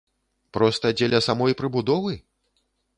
Проста дзеля самой прыбудовы?